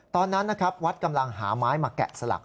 ตอนนั้นนะครับวัดกำลังหาไม้มาแกะสลัก